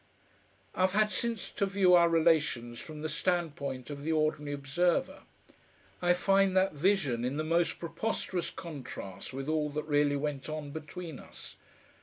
I've had since to view our relations from the standpoint of the ordinary observer. I find that vision in the most preposterous contrast with all that really went on between us.